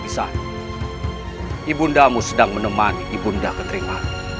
ibu undamu sedang menemani ibu unda keterima